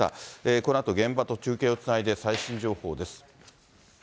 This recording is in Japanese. このあと、現場と中継をつないで最新情報です。